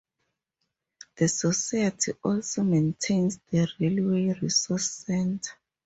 The society also maintains the Railway Resource Centre.